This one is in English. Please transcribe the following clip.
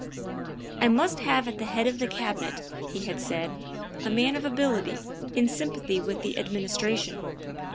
" I must have at the head of the Cabinet," he had said, " a man of ability, in sympathy with the Admin istration.